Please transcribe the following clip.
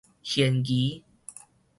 玄疑